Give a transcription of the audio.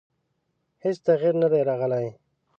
هېڅ تغیر نه دی راغلی.